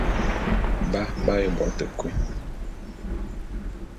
Ba b'aye bo te kui.